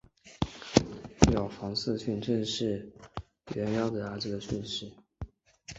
了凡四训正是袁要给儿子的训示。